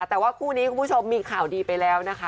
แต่ว่าคู่นี้คุณผู้ชมมีข่าวดีไปแล้วนะคะ